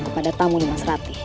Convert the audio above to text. kepada tamu di mas rati